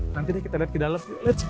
nanti deh kita lihat ke dalam